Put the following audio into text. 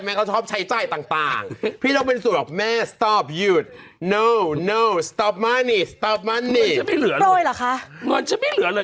แม่เขาชอบใช้จ้ายต่างต่างพี่ต้องเป็นส่วนแบบแม่หยุด